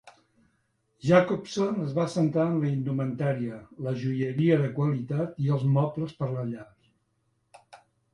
Jacobson es va centrar en la indumentària, la joieria de qualitat i els mobles per a la llar.